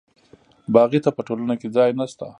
باغي ته په ټولنه کې ځای نشته.